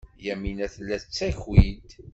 Yamina tella tettaki-d.